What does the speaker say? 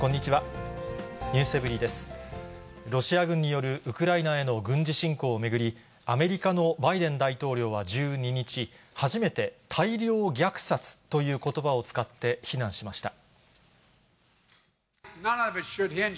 ロシア軍によるウクライナへの軍事侵攻を巡り、アメリカのバイデン大統領は１２日、初めて大量虐殺ということばを使って非難しました。